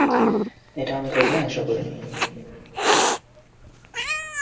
এটা আমি কখনোই আশা করিনি।